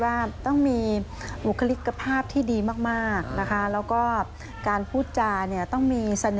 เราก็คิดว่าต้องมีบุคลิกภาพที่ดีมากแล้วก็การพูดจารี่ต้องมีเสน่ห์